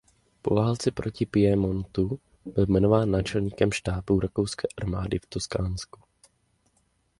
Po válce proti Piemontu byl jmenován náčelníkem štábu rakouské armády v Toskánsku.